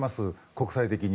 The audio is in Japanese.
国際的に。